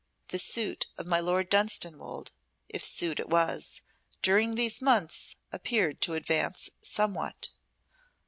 The suit of my Lord of Dunstanwolde if suit it was during these months appeared to advance somewhat.